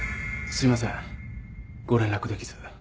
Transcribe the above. すいませんご連絡できず。